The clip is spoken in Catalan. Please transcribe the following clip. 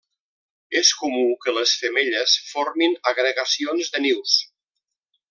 És comú que les femelles formin agregacions de nius.